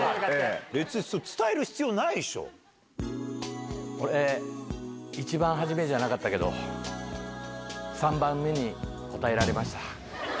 別にそれ、伝える必要ないで俺、１番初めじゃなかったけど、３番目に答えられました。